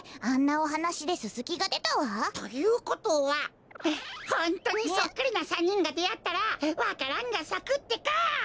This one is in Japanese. あんなおはなしでススキがでたわ。ということはホントにそっくりな３にんがであったらわか蘭がさくってか！